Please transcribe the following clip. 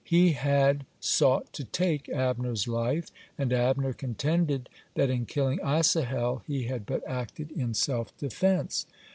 He had sough to take Abner's life, and Abner contended, that in killing Asahel he had but acted in self defense.